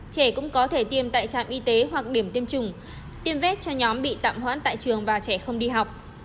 trẻ cũng có thể tiêm tại trạm y tế hoặc điểm tiêm chủng tiêm vét cho nhóm bị tạm hoãn tại trường và trẻ không đi học